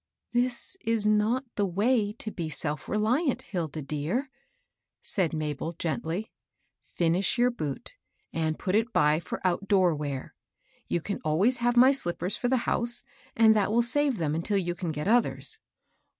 " This is not the way to be self reliant, Hilda dear," said Mabel, gently. " Finish your boot, and put it by for out door wear. You can always have my slippers for the house, and that will save them until you can get others."